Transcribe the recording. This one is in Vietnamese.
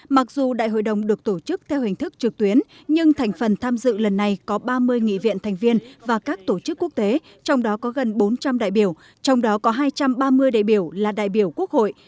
mặc dù đại hội đồng được tổ chức theo hình thức trực tuyến nhưng thành phần tham dự lần này có ba mươi nghị viện thành viên và các tổ chức quốc tế trong đó có gần bốn trăm linh đại biểu trong đó có hai trăm ba mươi đại biểu là đại biểu quốc hội